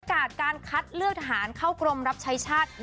การคัดเลือกทหารเข้ากรมรับใช้ชาติ